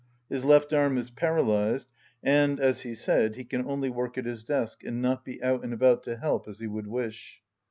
His left arm is para lysed, and, as he said, he can only work at his desk and not be out and about to help as he would wish.